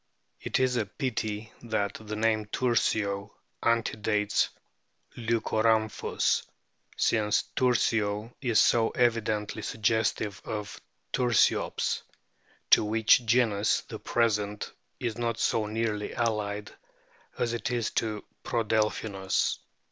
It is a pity that the name Tursio antedates Leuco rhamphus, since Tursio is so evidently suggestive of Tursiops, to which genus the present is not so nearly allied as it is to Prodelphinus.